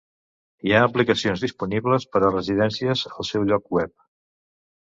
Hi ha aplicacions disponibles per a Residències al seu lloc web.